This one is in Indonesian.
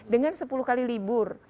dengan sepuluh kali libur